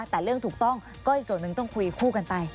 แต่เรื่องถูกต้องก็อีกส่วนหนึ่งต้องคุยคู่กันไป